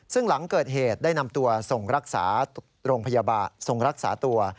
ซึ่งหลังเกิดเหตุได้นำตัวส่งรักษาตัว